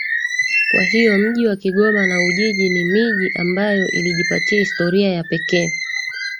Kwa hiyo mji wa Kigoma na Ujiji ni miji ambayo ilijipatia historia ya pekee